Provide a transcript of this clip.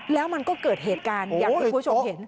แล้วมันก็เกิดเหตุการณ์อย่างที่คุณผู้ชมเห็น